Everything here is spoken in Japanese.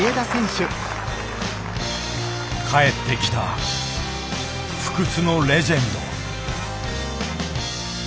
帰ってきた不屈のレジェンド。